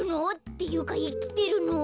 っていうかいきてるの？